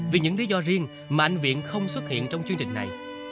vì những lý do riêng mà anh viện không xuất hiện trong chương trình này